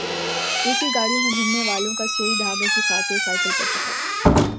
اے C گاڑیوں میں گھومنے والوں کا سوئی دھاگا کی خاطر سائیکل پر سفر